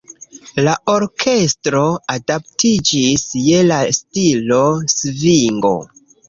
La orkestro adaptiĝis je la stilo "svingo".